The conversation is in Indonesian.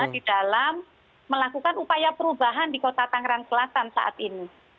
di dalam melakukan upaya perubahan di kota tangerang selatan saat ini